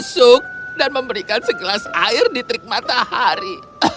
masuk dan memberikan segelas air di terik matahari